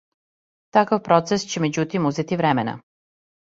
Такав процес ће међутим узети времена.